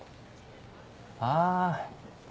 ああ。